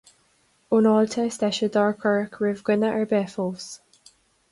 An fháilte is deise dár cuireadh roimh dhuine ar bith fós.